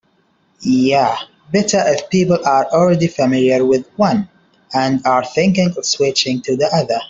Yeah, better if people are already familiar with one and are thinking of switching to the other.